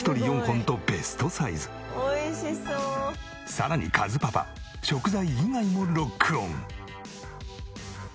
さらにかずパパ食材以外もロックオン。